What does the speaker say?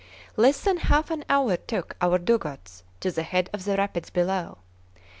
Less than half an hour took our dugouts to the head of the rapids below.